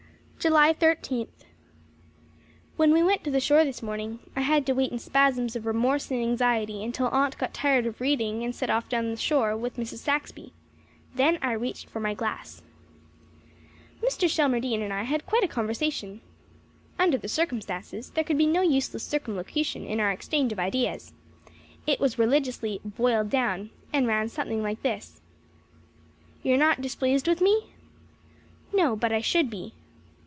July Thirteenth. When we went to the shore this morning I had to wait in spasms of remorse and anxiety until Aunt got tired of reading and set off along the shore with Mrs. Saxby. Then I reached for my glass. Mr. Shelmardine and I had quite a conversation. Under the circumstances there could be no useless circumlocution in our exchange of ideas. It was religiously "boiled down," and ran something like this: "You are not displeased with me?" "No but I should be."